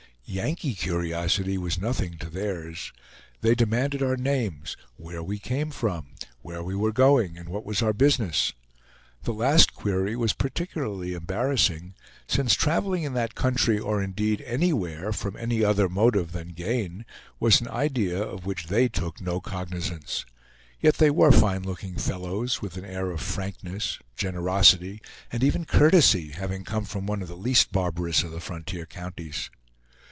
Yankee curiosity was nothing to theirs. They demanded our names, where we came from, where we were going, and what was our business. The last query was particularly embarrassing; since traveling in that country, or indeed anywhere, from any other motive than gain, was an idea of which they took no cognizance. Yet they were fine looking fellows, with an air of frankness, generosity, and even courtesy, having come from one of the least barbarous of the frontier counties.